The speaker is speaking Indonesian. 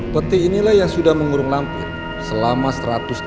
peti inilah yang sudah mengurung lampir selama satu ratus tiga puluh